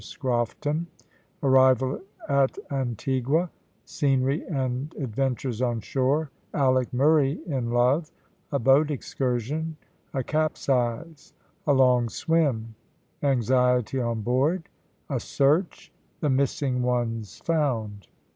SCROFTON ARRIVAL AT ANTIGUA SCENERY AND ADVENTURES ON SHORE ALICK MURRAY IN LOVE A BOAT EXCURSION A CAPSIZE A LONG SWIM ANXIETY ON BOARD A SEARCH THE MISSING ONES FOUND.